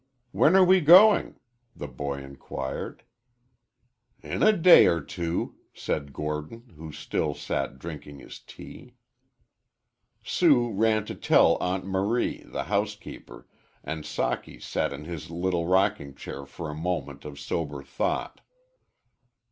"When are we going?" the boy inquired. "In a day or two," said Gordon, who still sat drinking his tea. Sue ran to tell Aunt Marie, the housekeeper, and Socky sat in his little rocking chair for a moment of sober thought.